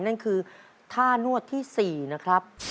นั่นคือท่านวดที่๔นะครับ